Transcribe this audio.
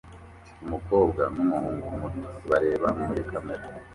Umukobwa n'umuhungu muto bareba muri kamera